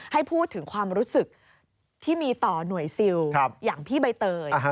ให้พูดถึงความรู้สึกที่มีต่อหน่วยซิลอย่างพี่ใบเตย